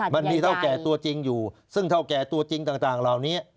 มันมีเท่าแก่ตัวจริงอยู่ซึ่งเท่าแก่ตัวจริงต่างเหล่านี้